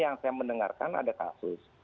yang saya mendengarkan ada kasus